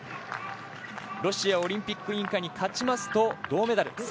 ロシアオリンピック委員会に勝ちますと銅メダル。